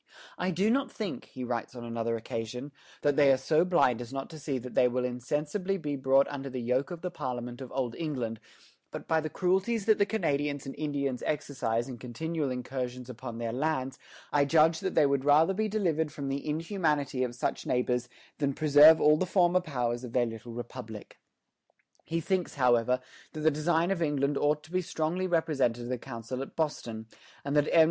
"I do not think," he writes on another occasion, "that they are so blind as not to see that they will insensibly be brought under the yoke of the Parliament of Old England; but by the cruelties that the Canadians and Indians exercise in continual incursions upon their lands, I judge that they would rather be delivered from the inhumanity of such neighbors than preserve all the former powers of their little republic." He thinks, however, that the design of England ought to be strongly represented to the Council at Boston, and that M.